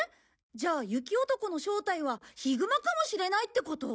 じゃあ雪男の正体はヒグマかもしれないってこと？